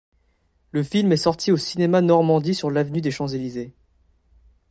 Le film est sorti au cinéma Normandie sur l'avenue des Champs-Elysées.